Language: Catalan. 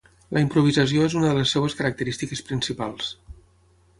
La improvisació és una de les seves característiques principals.